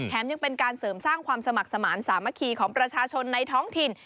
ยังเป็นการเสริมสร้างความสมัครสมาธิสามัคคีของประชาชนในท้องถิ่น